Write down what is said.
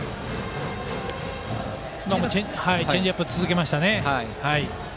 チェンジアップを続けましたね。